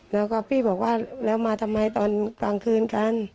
แล้วก็พี่บอกว่าแล้วมาทำไมตอนกลางคืนกัน